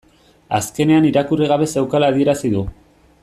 Azkenean irakurri gabe zeukala adierazi du